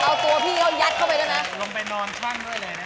เอาตัวพี่เขายัดเข้าไปด้วยนะ